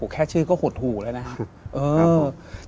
แค่ชื่อก็หดหูแล้วนะครับ